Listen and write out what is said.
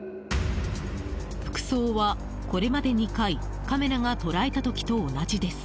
服装は、これまで２回カメラが捉えた時と、同じです。